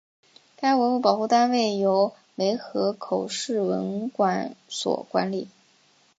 该文物保护单位由梅河口市文管所管理。